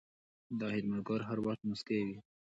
دا خدمتګار هر وخت موسکی وي.